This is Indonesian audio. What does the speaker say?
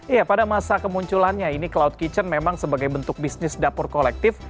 iya pada masa kemunculannya ini cloud kitchen memang sebagai bentuk bisnis dapur kolektif